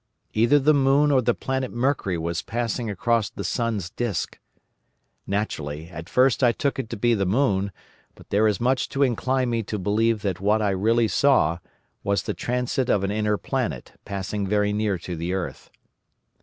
Either the moon or the planet Mercury was passing across the sun's disk. Naturally, at first I took it to be the moon, but there is much to incline me to believe that what I really saw was the transit of an inner planet passing very near to the earth.